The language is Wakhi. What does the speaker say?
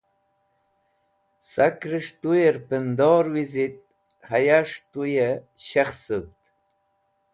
Sakrẽs̃h tuyẽr pendor wizit hayash tuyẽ shekhsũvd.